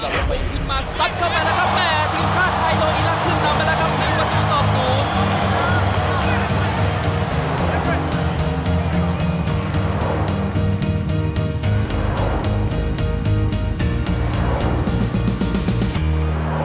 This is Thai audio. ไปขึ้นมาสัดเข้าไปแล้วครับแม่